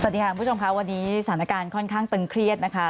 สวัสดีค่ะคุณผู้ชมค่ะวันนี้สถานการณ์ค่อนข้างตึงเครียดนะคะ